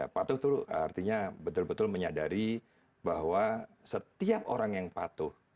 patuh itu artinya betul betul menyadari bahwa setiap orang yang patuh